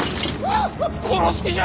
殺す気じゃ！